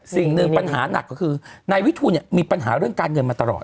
สิ่งหนึ่งปัญหาหนักก็คือนายวิทูลมีปัญหาเรื่องการเงินมาตลอด